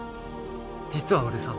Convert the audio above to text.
実は俺さ。